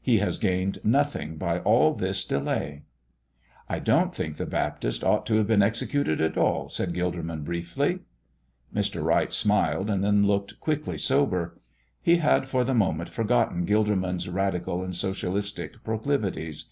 He has gained nothing by all this delay." "I don't think the Baptist ought to have been executed at all," said Gilderman, briefly. Mr. Wright smiled, and then looked quickly sober. He had for the moment forgotten Gilderman's radical and socialistic proclivities.